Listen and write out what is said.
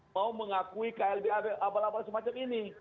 mau mengakui klb abal abal semacam ini